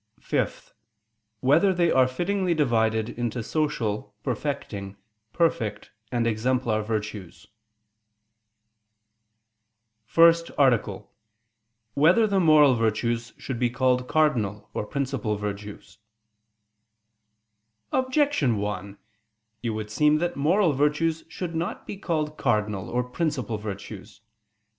(5) Whether they are fittingly divided into social, perfecting, perfect, and exemplar virtues? ________________________ FIRST ARTICLE [I II, Q. 61, Art. 1] Whether the Moral Virtues Should Be Called Cardinal or Principal Virtues? Objection 1: It would seem that moral virtues should not be called cardinal or principal virtues.